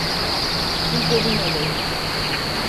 Kurbanın olayım!